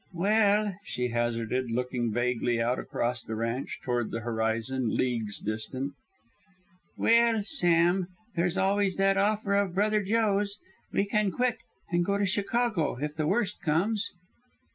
"Well," she hazarded, looking vaguely out across the ranch toward the horizon, leagues distant; "well, Sam, there's always that offer of brother Joe's. We can quit and go to Chicago if the worst comes."